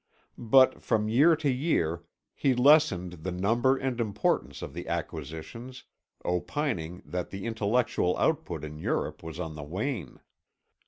But from year to year he lessened the number and importance of the acquisitions, opining that the intellectual output in Europe was on the wane.